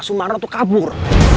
pas sumarno tuh kabur